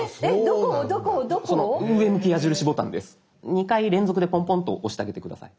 ２回連続でポンポンと押してあげて下さい。